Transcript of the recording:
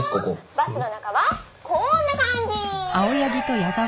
「バスの中はこんな感じ！」